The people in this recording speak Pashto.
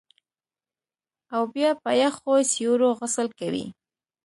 او بیا په یخو سیورو غسل کوي